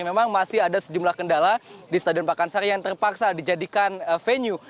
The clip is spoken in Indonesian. memang masih ada sejumlah kendala di stadion pakansari yang terpaksa dijadikan venue